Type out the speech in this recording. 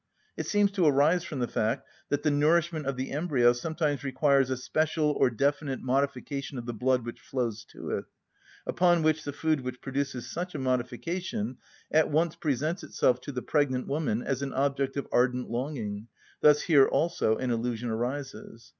It seems to arise from the fact that the nourishment of the embryo sometimes requires a special or definite modification of the blood which flows to it, upon which the food which produces such a modification at once presents itself to the pregnant woman as an object of ardent longing, thus here also an illusion arises.